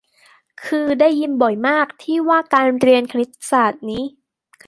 คือได้ยินบ่อยมาก ที่ว่าการเรียนคณิตศาสตร์นี้